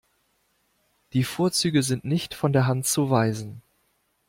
Die Vorzüge sind nicht von der Hand zu weisen.